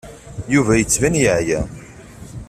Yuba yettban yeɛya.